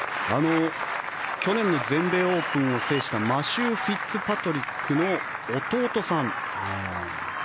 去年の全米オープンを制したマシュー・フィッツパトリックの弟さん。